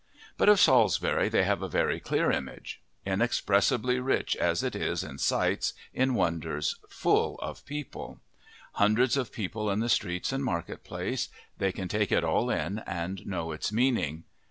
But of Salisbury they have a very clear image: inexpressibly rich as it is in sights, in wonders, full of people hundreds of people in the streets and market place they can take it all in and know its meaning.